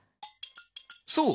そう。